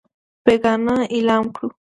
بېګناه اعلان کړو.